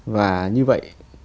và như vậy